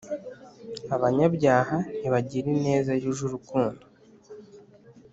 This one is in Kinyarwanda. Abanyabyaha ntibagira ineza yuje urukundo.